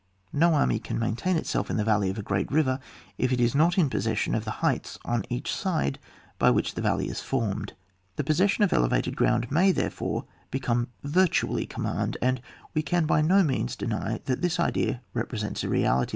No army can maintain it 66 ON WAR. [book v. self in the valley of a great river if it is not in possession of the heights on each side by which the valley is formed. The possession of elevated ground may therefore become virtually command, and we can by no means deny that this idea represents a reality.